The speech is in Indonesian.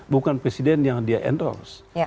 bukan presiden yang dia endorse